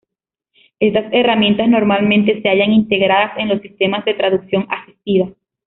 Estas herramientas normalmente se hallan integradas en los sistemas de traducción asistida.